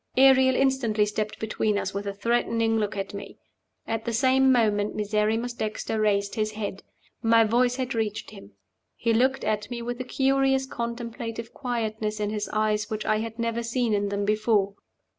Ariel instantly stepped between us, with a threatening look at me. At the same moment Miserrimus Dexter raised his head. My voice had reached him. He looked at me with a curious contemplative quietness in his eyes which I had never seen in them before.